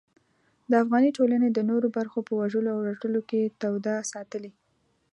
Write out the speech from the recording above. د افغاني ټولنې د نورو برخو په وژلو او رټلو کې توده ساتلې.